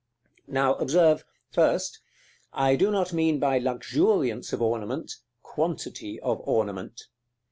Now, observe, first, I do not mean by luxuriance of ornament, quantity of ornament.